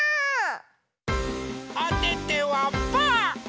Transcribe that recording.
おててはパー！